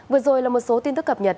vừa rồi là một số tin tức cập nhật